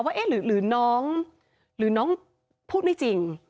ว่าหรือน้องพูดไม่จริง